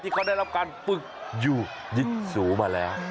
เขาได้รับการฝึกอยู่ยิกสูมาแล้ว